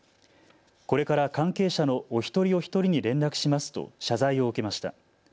これから関係者のお一人お一人に連絡しますと謝罪を受けました。